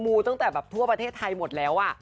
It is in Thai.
ูตั้งแต่แบบทั่วประเทศไทยหมดแล้ว